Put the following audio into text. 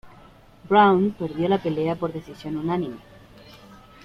Brown perdió la pelea por decisión unánime.